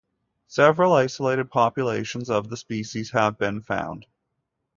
Several isolated populations of the species have been found.